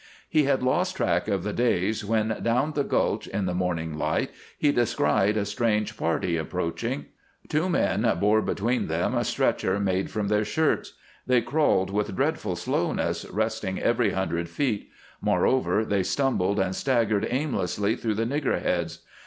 He had lost track of the days when, down the gulch, in the morning light, he descried a strange party approaching. Two men bore between them a stretcher made from their shirts. They crawled with dreadful slowness, resting every hundred feet. Moreover, they stumbled and staggered aimlessly through the niggerheads.